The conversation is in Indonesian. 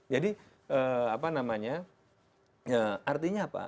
jadi apa namanya artinya apa